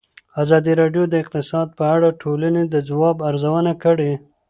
ازادي راډیو د اقتصاد په اړه د ټولنې د ځواب ارزونه کړې.